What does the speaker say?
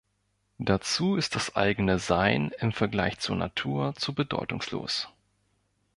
Dazu ist das eigene Sein im Vergleich zur Natur zu bedeutungslos.